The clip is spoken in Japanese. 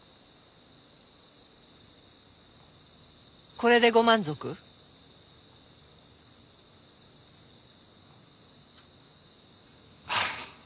これでご満足？はあ。